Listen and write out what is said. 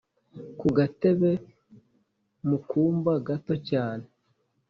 kugatebe mukumba gato cyane